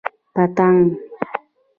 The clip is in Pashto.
🦋 پتنګ